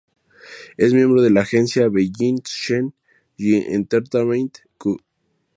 Es miembro de la agencia "Beijing Sheng Yi Entertainment Co.